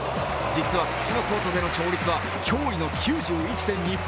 実は、土のコートでの勝率は驚異の９１．２％。